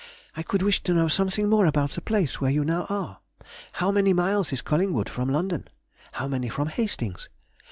I could wish to know something more about the place where you now are. How many miles is Collingwood from London? How many from Hastings?